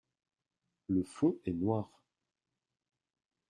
Le fond est noir.